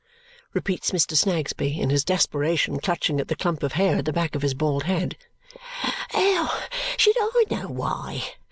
repeats Mr. Snagsby, in his desperation clutching at the clump of hair at the back of his bald head. "How should I know why?